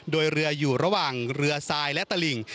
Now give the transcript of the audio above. โดยเรืออยู่ระหว่างเรือทรายและตลิ่ง